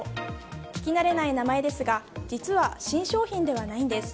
聞き慣れない名前ですが実は新商品ではないんです。